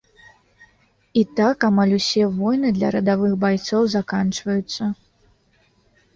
І так амаль усе войны для радавых байцоў заканчваюцца.